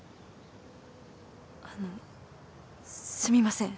あのすみません。